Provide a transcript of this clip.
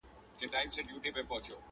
پېړۍ قرنونه کیږي!!